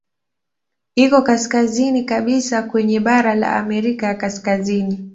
Iko kaskazini kabisa kwenye bara la Amerika ya Kaskazini.